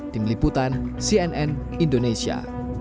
tim liputan cnn indonesia